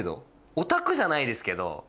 オタクじゃないですけど。